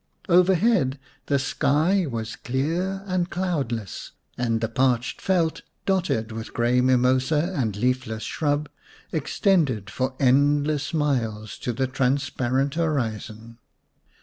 Overhead the sky was clear and cloudless, and the parched veld, dotted with grey mimosa and leafless shrub, extended for endless miles to the transparent horizon.